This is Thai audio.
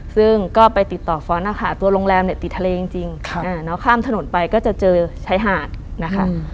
ซึ่งก็ไปติดต่อฟ้อนต์นะคะตัวโรงแรมเนี่ยติดทะเลจริงแล้วข้ามถนนไปก็จะเจอชายหาดนะคะ